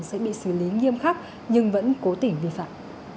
sẽ bị xử lý nghiêm khắc nhưng vẫn cố tỉnh vi phạm